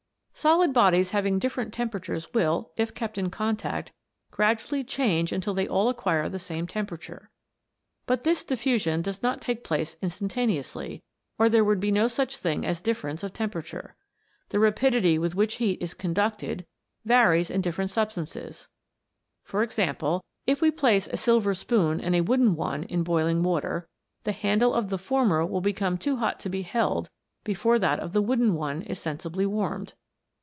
Solid bodies having different temperatures will, if kept in contact, gradually change until they all acquire the same temperature. But this diffusion does not take place instantaneously, or there would be no such thing as difference of temperature. The rapidity with which heat is conducted varies in dif ferent substances ; for example, if we place a silver spoon and a wooden one in boiling water, the handle of the former will become too hot to be held before that of the wooden one is sensibly warmed.